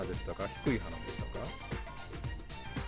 低い鼻でしたか？